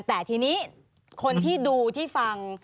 แต่ทีนี้คนที่ดูที่ฟัง